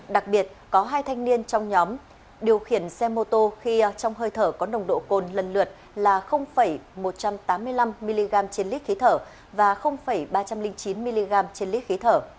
đặc biệt có hai thanh niên trong nhóm điều khiển xe mô tô khi trong hơi thở có nồng độ cồn lần lượt là một trăm tám mươi năm mg trên lít khí thở và ba trăm linh chín mg trên lít khí thở